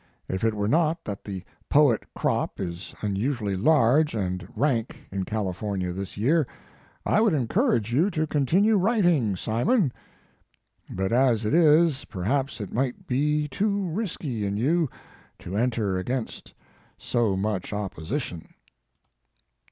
If it were not that the poet crop is unusually large and rank in California this year, I would encourage you to continue writing, Simon; but as it is, perhaps it might be too risky in you to enter against so much opposition."